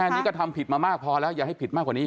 อันนี้ก็ทำผิดมามากพอแล้วอย่าให้ผิดมากกว่านี้